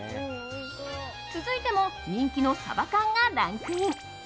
続いても人気のサバ缶がランクイン。